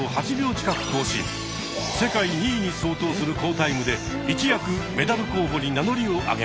世界２位に相当する好タイムで一躍メダル候補に名乗りを上げました。